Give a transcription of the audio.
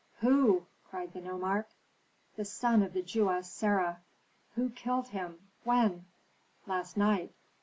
Who?" cried the nomarch. "The son of the Jewess Sarah." "Who killed him? When " "Last night."